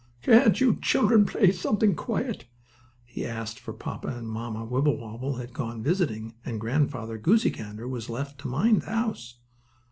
"Can't you children play something quiet?" he asked for Papa and Mamma Wibblewobble had gone visiting, and Grandfather Goosey Gander was left to mind the house.